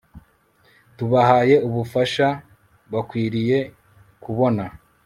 tubahaye ubufasha bakwiriye kubona